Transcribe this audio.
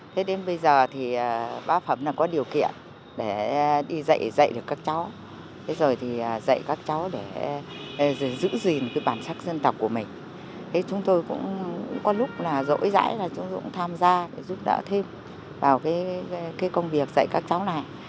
cũng có lúc là rỗi rãi là chúng tôi cũng tham gia giúp đỡ thêm vào cái công việc dạy các cháu này